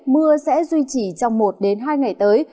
mưa sẽ duy trì trong một hai ngày tới